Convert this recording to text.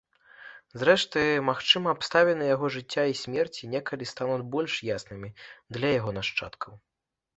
Зрэшты, магчыма, абставіны яго жыцця і смерці некалі стануць больш яснымі для яго нашчадкаў.